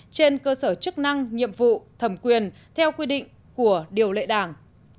trên cơ sở chức năng nhiệm vụ thẩm quyền theo quy định của điều lệ đảng